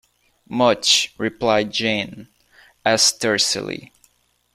Much, replied Jeanne, as tersely.